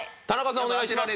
田中さんお願いします。